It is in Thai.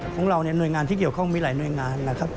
ของเราเนี่ยหน่วยงานที่เกี่ยวข้องมีหลายหน่วยงานนะครับ